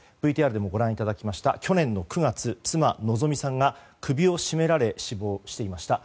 ＶＴＲでもご覧いただきました今日の９月妻・希美さんが首を絞められ死亡していました。